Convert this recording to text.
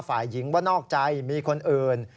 ฝ่ายหญิงว่านอกใจมีคนอื่น